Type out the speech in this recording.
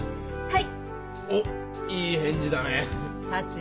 はい。